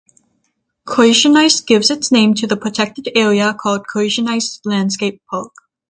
Kozienice gives its name to the protected area called Kozienice Landscape Park.